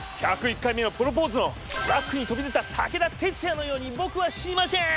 「１０１回目のプロポーズ」のトラックに飛び出た武田鉄矢のように「ぼくは死にましぇーん」